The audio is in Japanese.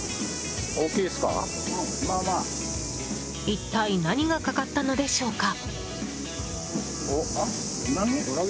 一体何がかかったのでしょうか。